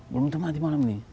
belum tentu mati malam ini